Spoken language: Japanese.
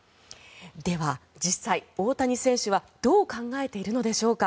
では実際、大谷選手はどう考えているのでしょうか。